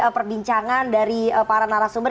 perbincangan dari para narasumber